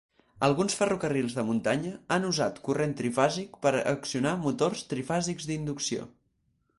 Alguns ferrocarrils de muntanya han usat corrent trifàsic per accionar motors trifàsics d'inducció.